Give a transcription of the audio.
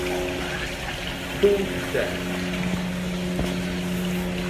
Punkt D